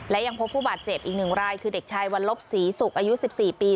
และยังพบผู้บาดเจ็บอีกหนึ่งรายคือเด็กชายวรรลบศรีศุกร์อายุสิบสี่ปี